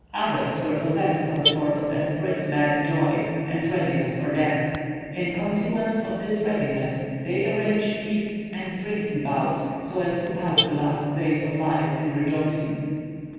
Others were possessed of a sort of desperate, mad joy and readiness for death. In consequence of this readiness they arranged feasts and drinking bouts so as to pass the last days of life in rejoicing.